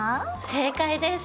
正解です。